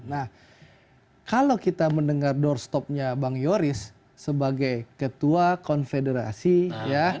nah kalau kita mendengar doorstopnya bang yoris sebagai ketua konfederasi ya